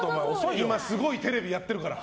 今すごいテレビやってるから！